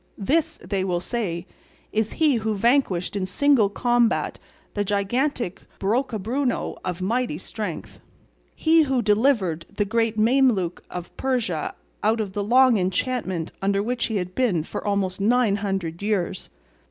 'This,' they will say, 'is he who vanquished in single combat the gigantic Brocabruno of mighty strength; he who delivered the great Mameluke of Persia out of the long enchantment under which he had been for almost nine hundred years.